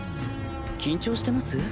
緊張してます？